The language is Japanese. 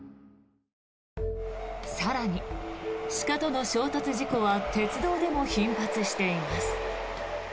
更に鹿との衝突事故は鉄道でも頻発しています。